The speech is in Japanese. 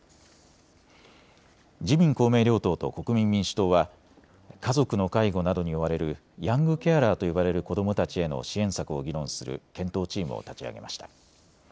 自民公明両党と国民民主党は家族の介護などに追われるヤングケアラーと呼ばれる子どもたちへの支援策を議論する検討チームを立ち上げました。